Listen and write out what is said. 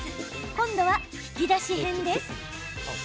今度は引き出し編です。